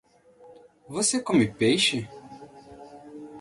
Você come peixe?